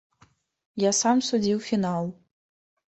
Я сам судзіў фінал.